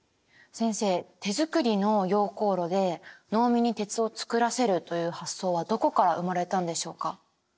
先生手作りの溶鉱炉で農民に鉄を作らせるという発想はどこから生まれたんでしょうか？